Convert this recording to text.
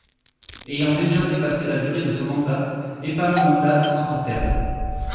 Ayant déjà dépassé la durée de son mandat, Épaminondas rentre à Thèbes.